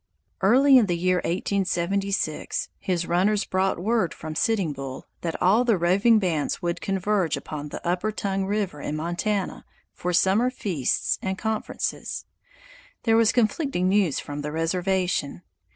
Early in the year 1876, his runners brought word from Sitting Bull that all the roving bands would converge upon the upper Tongue River in Montana for summer feasts and conferences. There was conflicting news from the reservation.